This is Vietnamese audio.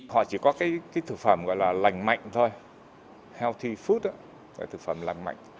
họ chỉ có cái thực phẩm gọi là lành mạnh thôi healthy food cái thực phẩm lành mạnh